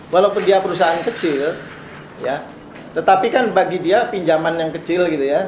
walaupun dia perusahaan kecil ya tetapi kan bagi dia pinjaman yang kecil gitu ya